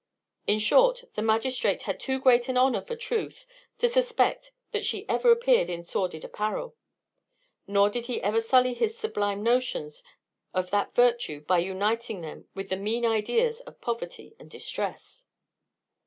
In short, the magistrate had too great an honour for truth to suspect that she ever appeared in sordid apparel; nor did he ever sully his sublime notions of that virtue by uniting them with the mean ideas of poverty and distress.